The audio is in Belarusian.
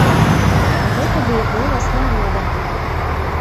Гэта быў голас народа.